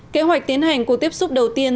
kế hoạch tiến hành cuộc tiếp xúc đầu tiên